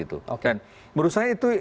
itu oke menurut saya itu